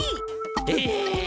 えっ！？